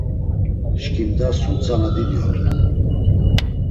Şǩimda sum tzana didi ort̆u.